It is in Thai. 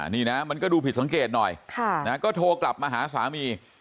นี่นะมันก็ดูผิดสังเกตหน่อยก็โทรกลับมาหาสามี